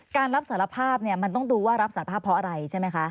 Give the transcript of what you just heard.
การรับสารภาพเนี่ยมันต้องดูว่ารับสารภาพเพราะอะไรใช่ไหมคะ